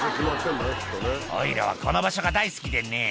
「おいらはこの場所が大好きでね」